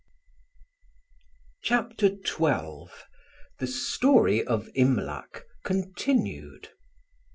CHAPTER XII THE STORY OF IMLAC (continued).